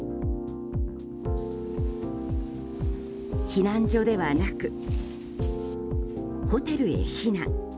避難所ではなくホテルへ避難。